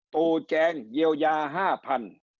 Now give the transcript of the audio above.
ตู่แจงเยียวยา๕๐๐บาท